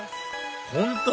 本当！